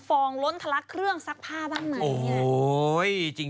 ฟองล้นทะลักเครื่องซักผ้าบ้างไหม